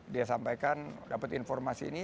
dia sampaikan dapat informasi ini